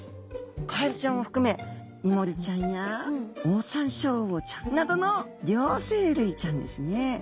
カエルちゃんを含めイモリちゃんやオオサンショウウオちゃんなどの両生類ちゃんですね。